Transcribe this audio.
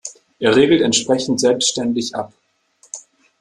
Er regelt entsprechend selbständig ab.